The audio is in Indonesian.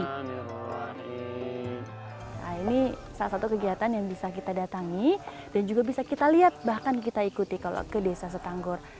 nah ini salah satu kegiatan yang bisa kita datangi dan juga bisa kita lihat bahkan kita ikuti kalau ke desa setanggor